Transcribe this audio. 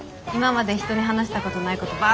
今まで人に話したことないこと